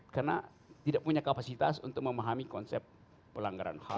karena tidak punya kapasitas untuk memahami konsep pelanggaran ham